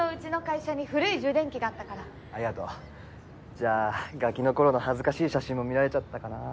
じゃあガキの頃の恥ずかしい写真も見られちゃったかな。